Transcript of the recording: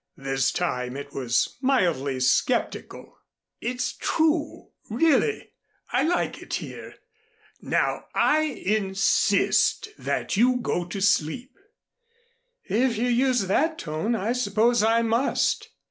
This time it was mildly skeptical. "It's true really. I like it here. Now I insist that you go to sleep." "If you use that tone, I suppose I must."